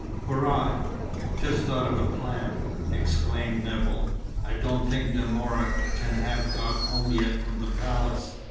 "Hurrah! just thought of a plan," exclaimed Nevill. "I don't think De Mora can have got home yet from the palace.